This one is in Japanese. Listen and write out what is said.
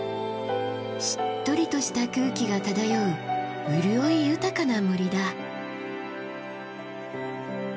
しっとりとした空気が漂う潤い豊かな森だ。